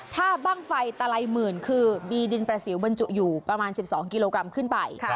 ถ้าบ้างไฟตะไลหมื่นคือมีดินประสิวบรรจุอยู่ประมาณ๑๒กิโลกรัมขึ้นไป